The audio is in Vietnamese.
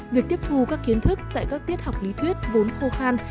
việc tiếp thu các kiến thức tại các tiết học lý thuyết vốn khô khan